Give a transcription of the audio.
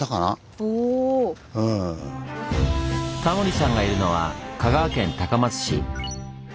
タモリさんがいるのは香川県高松市。